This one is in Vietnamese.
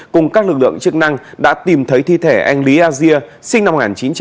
cùng các lực lượng chức năng đã tìm thấy thi thể anh lý asia sinh năm một nghìn chín trăm chín mươi bảy